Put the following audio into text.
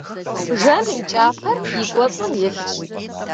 Бжэн и кӏапэр и кӏуэцӏым илъщ.